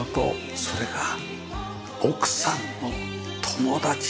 それが奥さんの友達ですよね。